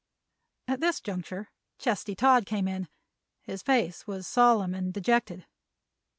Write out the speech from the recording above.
At this juncture Chesty Todd came in. His face was solemn and dejected.